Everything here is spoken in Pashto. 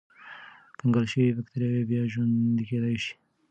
کنګل شوې بکتریاوې بیا ژوندی کېدای شي.